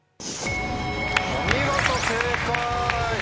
お見事正解。